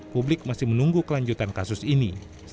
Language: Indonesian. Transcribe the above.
publik masih menunggu kelanjutan kasus ini